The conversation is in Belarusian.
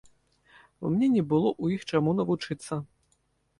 Мне не было ў іх чаму навучыцца.